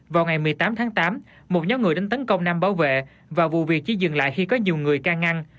vào ngày một mươi tám tháng tám một nhóm người đến tấn công nam bảo vệ và vụ việc chỉ dừng lại khi có nhiều người ca ngăn